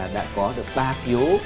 đã có được ba phiếu